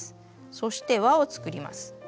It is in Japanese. そして輪を作ります。